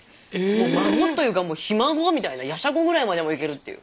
もう孫というかひ孫みたいなやしゃごぐらいまでもいけるっていう。